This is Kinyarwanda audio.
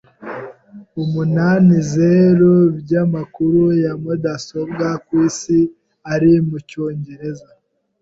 umunanizeru% by'amakuru ya mudasobwa ku isi ari mu Cyongereza.